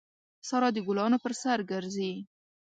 سارا د ګلانو پر سر ګرځي.